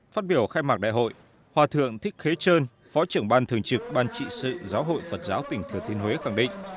phát biểu khai mạc đại hội hòa thượng thích khế trơn phó trưởng ban thường trực ban trị sự giáo hội phật giáo tỉnh thừa thiên huế khẳng định